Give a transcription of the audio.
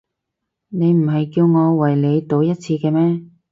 你唔係叫我為你賭一次嘅咩？